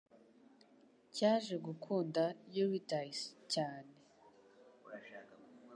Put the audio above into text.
cyaje gukunda Eurydice cyane